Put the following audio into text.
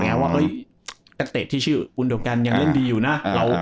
ก็เตะที่ชื่อกุลโดแกนยังเล่นดีอยู่นะ